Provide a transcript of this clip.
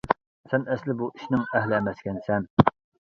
سەن ئەسلى بۇ ئىشنىڭ ئەھلى ئەمەسكەنسەن!